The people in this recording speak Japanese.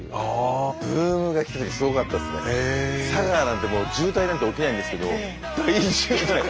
佐賀なんてもう渋滞なんて起きないんですけど大渋滞。